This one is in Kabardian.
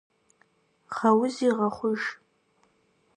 Гъэузи гъэхъуж.